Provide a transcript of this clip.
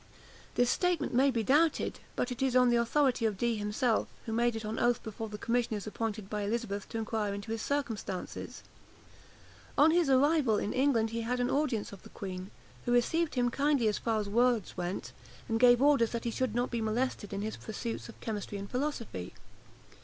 This statement may be doubted; but it is on the authority of Dee himself, who made it on oath before the commissioners appointed by Elizabeth to inquire into his circumstances. On his arrival in England he had an audience of the queen, who received him kindly as far as words went, and gave orders that he should not be molested in his pursuits of chemistry and philosophy.